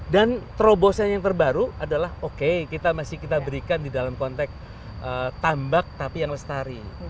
dan terobosnya yang terbaru adalah oke kita masih kita berikan di dalam konteks tambak tapi yang lestari